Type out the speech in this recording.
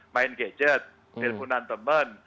main gadget telponan teman